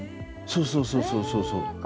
そうそうそうそうそう。